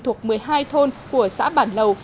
thuộc một mươi hai thôn của xã bản lầu